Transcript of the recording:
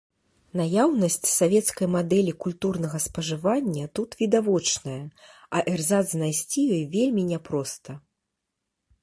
Наяўнасць савецкай мадэлі культурнага спажывання тут відавочная, а эрзац знайсці ёй вельмі не проста.